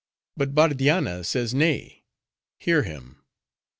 But Bardianna says nay. Hear him.